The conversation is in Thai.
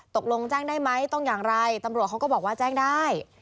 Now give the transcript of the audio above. ตกลงแจ้งได้ไหมต้องอย่างไรตำรวจเขาก็บอกว่าแจ้งได้